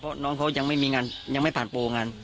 เพราะน้องเขายังไม่มีงานยังไม่ผ่านโปรงาน